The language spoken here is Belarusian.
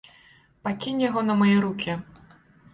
Пакінь яго на мае рукі.